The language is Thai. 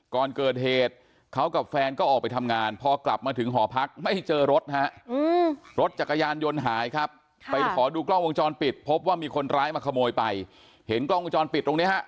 ก่อนเกิดเหตุเขากับแฟนก็ออกไปทำงานพอกลับมาถึงหอพักไม่เจอรถฮะรถจักรยานยนต์หายครับไปขอดูกล้องวงจรปิดพบว่ามีคนร้ายมาขโมยไปเห็นกล้องวงจรปิดตรงนี้ฮะ